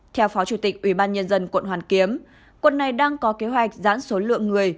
theo phó chủ tịch ubnd quận hoàn kiếm quận này đang có kế hoạch giãn số lượng người